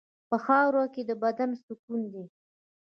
په خاوره کې د بدن سکون دی.